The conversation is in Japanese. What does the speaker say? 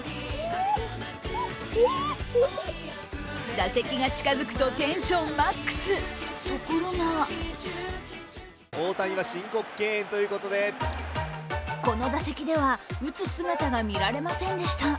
打席が近づくとテンションマックス、ところがこの打席では打つ姿が見られませんでした。